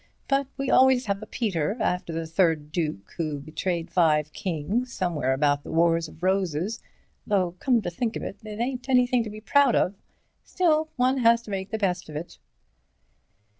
But we always have a Peter, after the third duke, who betrayed five kings somewhere about the Wars of the Roses, though come to think of it, it ain't anything to be proud of. Still, one has to make the best of it."